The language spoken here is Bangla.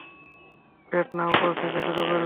পেট না ওপর থেকে শুরু করবি?